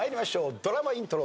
ドラマイントロ。